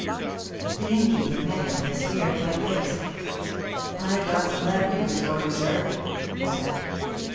The Innkeeper met him with a scared white face. "I've got some bad news for you, sir," he said.